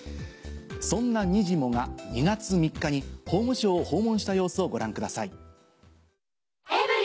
そんなにじモが２月３日に法務省を訪問した様子をご覧ください。